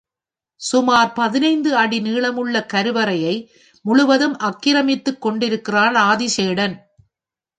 சுமார் பதினைந்து அடி நீளமுள்ள கருவறையை முழுவதும் ஆக்கிரமித்துக் கொண்டிருக்கிறான் ஆதிசேடன்.